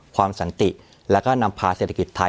สันติแล้วก็นำพาเศรษฐกิจไทย